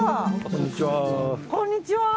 こんにちは。